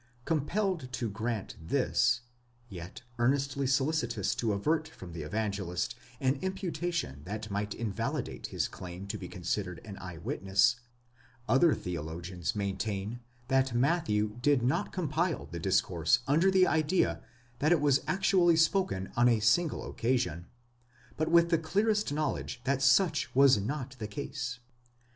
Com pelled to grant this, yet earnestly solicitous to avert from the Evangelist an imputation that might invalidate his claim to be considered an eye witness, other theologians maintain that Matthew did not compile the discourse under the idea that it was actually spoken on a single occasion, but with the clearest knowledge that such was not the case.